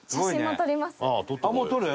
もう撮る？